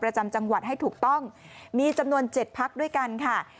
จังหวัดให้ถูกต้องมีจำนวน๗พักด้วยกันค่ะ